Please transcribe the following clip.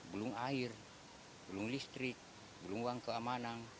belum air belum listrik belum uang keamanan